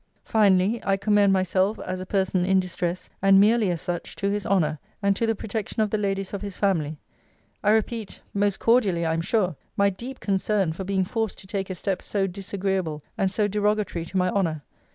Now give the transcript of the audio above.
Finally, 'I commend myself, as a person in distress, and merely as such, to his honour, and to the protection of the ladies of his family. I repeat [most cordially, I am sure!] my deep concern for being forced to take a step so disagreeable, and so derogatory to my honour.